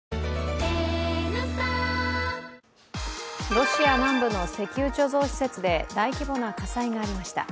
ロシア南部の石油貯蔵施設で大規模な火災がありました。